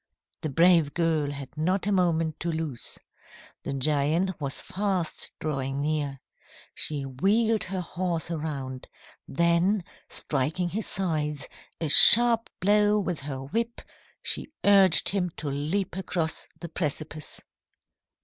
"The brave girl had not a moment to lose. The giant was fast drawing near. She wheeled her horse around; then, striking his sides a sharp blow with her whip, she urged him to leap across the precipice.